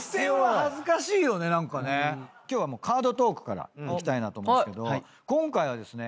今日はカードトークからいきたいなと思うんですけど今回はですね